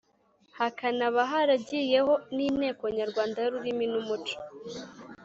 hakanaba haragiyeho n’inteko nyarwanda y’ururimi n’umuco